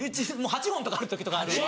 ８本とかある時とかあるんで。